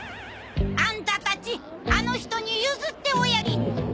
アンタたちあの人に譲っておやり。